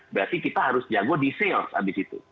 berarti kita harus jago di sales abis itu